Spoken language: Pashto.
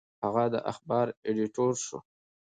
هغه د اخبار ایډیټور شو.